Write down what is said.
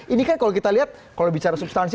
ini kan kalau kita lihat kalau bicara substansi